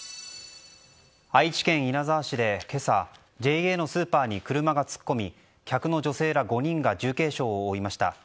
愛知県稲沢市で今朝ＪＡのスーパーに車が突っ込み客の女性ら５人が重軽傷を負いました。